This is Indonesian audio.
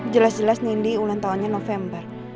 jelas jelas ini di ulang tahunnya november